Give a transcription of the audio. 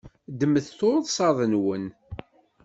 Ddmet tursaḍ-nwen.